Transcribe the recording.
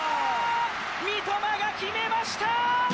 三笘が決めました